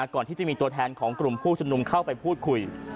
ก่อนที่จะมีตัวแทนของกลุ่มผู้ชมนุมเข้าไปพูดคุย